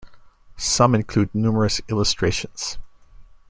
Some include numerous illustrations.